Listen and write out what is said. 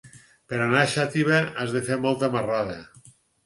Per anar a Xàtiva has de fer molta marrada.